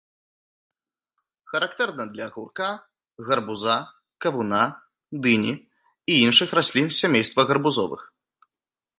Характэрна для агурка, гарбуза, кавуна, дыні і іншых раслін з сямейства гарбузовых.